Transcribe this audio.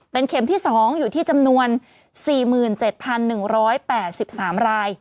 เป็นเข็มที่๒อยู่ที่จำนวน๔๗๑๘๓ราย